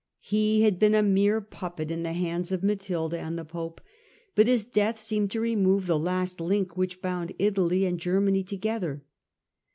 He had Death of ^^"^ a mere puppet in the hands of Matilda Conrad, 1101 ^nd the pope, but his death seemed to remove the last link which bound Italy and Germany together.